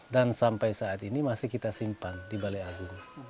dan sampai saat ini kita masih simpan di balai agunggo